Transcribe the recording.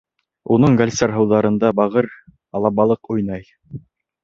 Уның гәлсәр һыуҙарында бағыр, алабалыҡ уйнай.